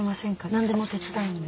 何でも手伝うんで。